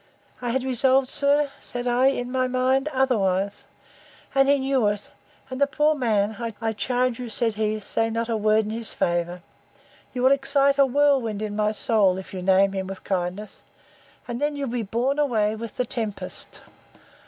I had resolved, sir, said I, in my mind, otherwise; and he knew it; and the poor man—I charge you, said he, say not a word in his favour! You will excite a whirlwind in my soul, if you name him with kindness; and then you'll be borne away with the tempest.